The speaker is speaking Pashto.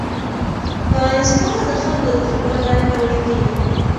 ټولنیز پوهه د خلکو د تجربو له لارې پیاوړې کېږي.